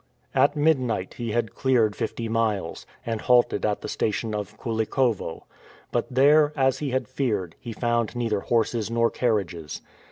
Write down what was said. At midnight he had cleared fifty miles, and halted at the station of Koulikovo. But there, as he had feared, he found neither horses nor carriages.